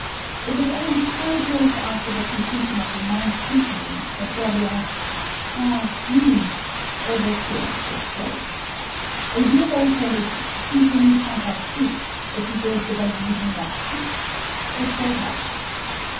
It was only five years after the completion of the Ninth Symphony that Berlioz's "Francs Juges" overture was played. A year later his "Symphonie Fantastique, Episode de la Vie d'un Artiste," was brought out.